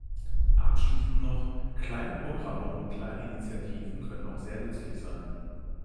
Abschließend noch, kleine Programme und kleine Initiativen können auch sehr nützlich sein.